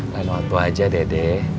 lama waktu aja dede